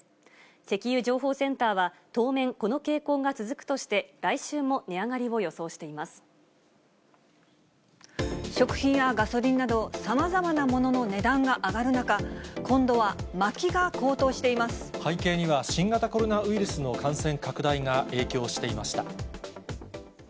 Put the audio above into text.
石油情報センターは、当面、この傾向が続くとして、来週も値食品やガソリンなど、さまざまなものの値段が上がる中、背景には新型コロナウイルスの感染拡大が影響していました。